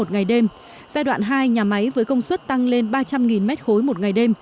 ngày đêm giai đoạn hai nhà máy với công suất tăng lên ba trăm linh m ba một ngày đêm